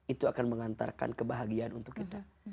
itu akan mengantarkan kebahagiaan untuk kita